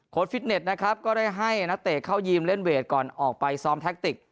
ฟิตเน็ตนะครับก็ได้ให้นักเตะเข้ายีมเล่นเวทก่อนออกไปซ้อมแท็กติก